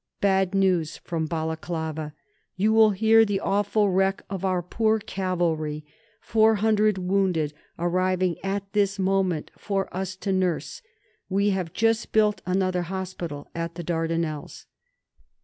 Bad news from Balaclava. You will hear the awful wreck of our poor cavalry, 400 wounded, arriving at this moment for us to nurse. We have just built another hospital at the Dardanelles.